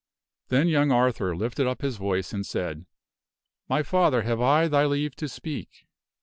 " Then young Arthur lifted up his voice and said, " My father, have I thy leave to speak?"